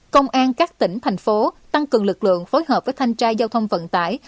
công an các tỉnh thành phố tăng cường lực lượng phối hợp với thanh tra giao thông vận tải